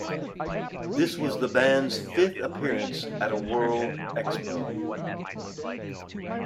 This was the band's fifth appearance at a World Expo.